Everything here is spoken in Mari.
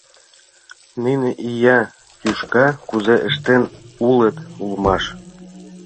Нине ия тӱшка кузе ыштен улыт улмаш!